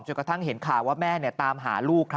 กระทั่งเห็นข่าวว่าแม่ตามหาลูก